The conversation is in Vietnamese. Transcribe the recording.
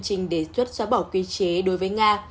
trình đề xuất xóa bỏ quy chế đối với nga